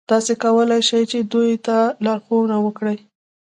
تاسې کولای شئ چې دوی ته لارښوونه وکړئ.